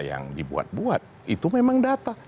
yang dibuat buat itu memang data